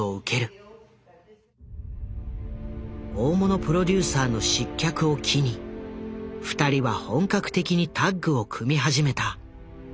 大物プロデューサーの失脚を機に２人は本格的にタッグを組み始めた。